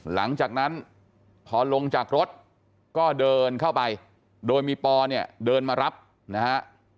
หลังจากนั้นพอลงจากรถก็เดินเข้าไปโดยมีปอเนี่ยเดินมารับนะฮะ